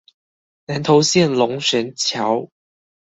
南投縣龍神橋